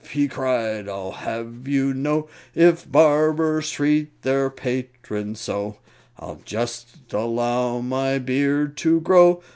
he cried, "I'll have you know, If barbers treat their patrons so, I'll just allow my beard to grow!"